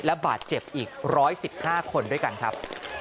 และบาดเจ็บอีก๑๑๕คนด้วยกันครับ